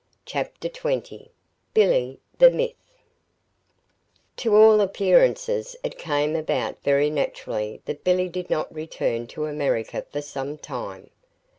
CHAPTER XX BILLY, THE MYTH To all appearances it came about very naturally that Billy did not return to America for some time.